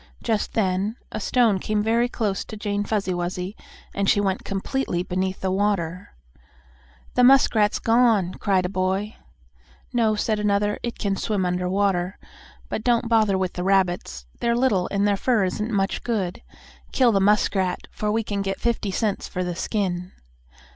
Just then a stone came very close to Jane Fuzzy Wuzzy, and she went completely beneath the water. "The muskrat's gone!" cried a boy. "No," said another, "it can swim under water. But don't bother with the rabbits. They're little, and their fur isn't much good. Kill the muskrat, for we can get fifty cents for the skin."